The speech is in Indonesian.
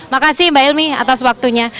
makasih mbak ilmi atas waktunya